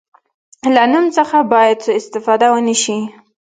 له نوم څخه باید سوء استفاده ونه شي.